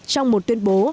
trong một tuyên bố